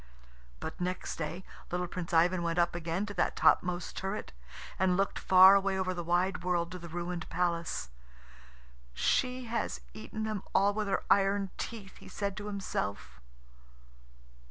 But next day little Prince Ivan went up again to that topmost turret, and looked far away over the wide world to the ruined palace. "She has eaten them all with her iron teeth," he said to himself.